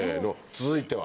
続いては。